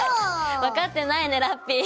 分かってないねラッピィ。